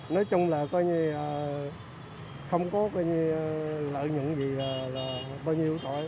nói chung là không có lợi nhuận gì là bao nhiêu rồi